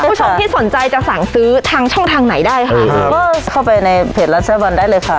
ผู้ชมที่สนใจจะสั่งซื้อทางช่องทางไหนได้ค่ะเออครับเข้าไปในเพจร้านแซ่บวันได้เลยค่ะ